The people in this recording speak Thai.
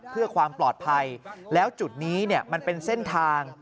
เพื่อความปลอดภัยแล้วจุดนี้มันเป็นเส้นทาง